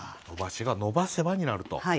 「伸ばし」が「伸ばせば」になると。